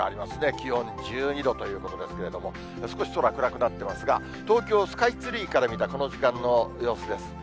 気温１２度ということですけれども、少し空、暗くなってますが、東京スカイツリーから見たこの時間の様子です。